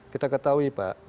kita ketahui pak